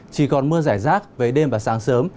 chỉ còn mưa rải rác về đêm và sáng sớm